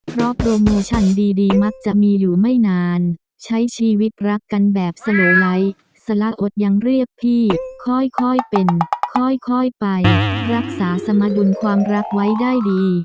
เพราะโปรโมชั่นดีมักจะมีอยู่ไม่นานใช้ชีวิตรักกันแบบสโลไลท์สละอดยังเรียกพี่ค่อยเป็นค่อยไปรักษาสมดุลความรักไว้ได้ดี